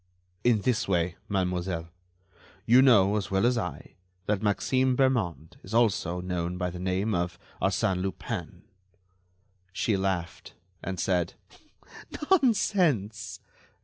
"In this way, mademoiselle: You know, as well as I, that Maxime Bermond is also known by the name of Arsène Lupin." She laughed, and said: "Nonsense!